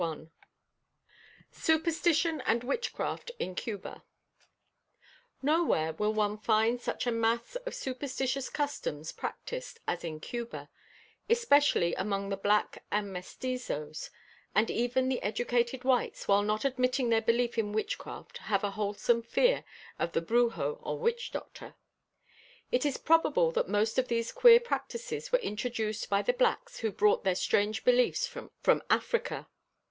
1908 SUPERSTITION AND WITCHCRAFT IN CUBA Nowhere will one find such a mass of superstitious customs practiced, as in Cuba; especially among the black and mestizos, and even the educated whites, while not admitting their belief in witchcraft have a wholesome fear of the Brujo or witch doctor. It is probable that most of these queer practices were introduced by the blacks who brought their strange beliefs from Africa.